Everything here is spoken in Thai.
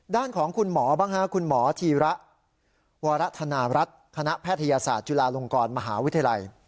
ด้านของคุณหมอบ้างฮะคุณหมอธีระวรธนารัฐคณะแพทยศาสตร์จุฬาลงกรมหาวิทยาลัย